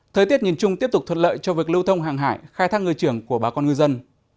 thời tiết nhìn chung tiếp tục thuận lợi cho việc lưu thông hàng hải khai thác ngư trưởng của bà con ngư dân